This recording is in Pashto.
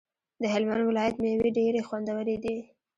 د هلمند ولایت ميوی ډيری خوندوری دی